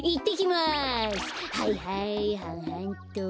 はいはいはんはんっと。